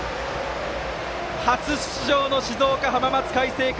初出場の静岡・浜松開誠館